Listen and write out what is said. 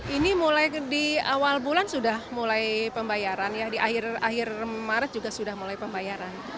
ini mulai di awal bulan sudah mulai pembayaran ya di akhir maret juga sudah mulai pembayaran